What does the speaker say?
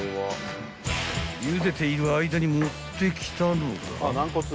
［ゆでている間に持ってきたのが］